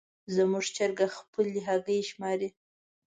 زموږ چرګه خپلې هګۍ شماري.